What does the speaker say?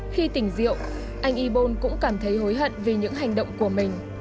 khi tỉnh rượu anh y bon cũng cảm thấy hối hận vì những hành động của mình